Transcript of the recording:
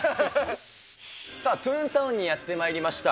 さあ、トゥーンタウンにやってまいりました。